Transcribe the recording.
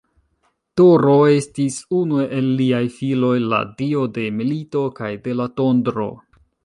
Toro estis unu el liaj filoj, la dio de milito kaj de la tondro.